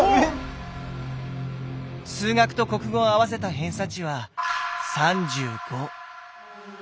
数学と国語を合わせた偏差値は３５。